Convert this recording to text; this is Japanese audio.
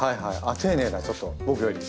丁寧だちょっと僕より。